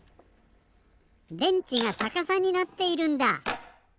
電池がさかさになっているんだ。